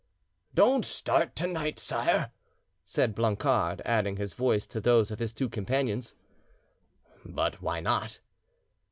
"Don't start to night, sire," said Blancard, adding his voice to those of his two companions. "But why not?"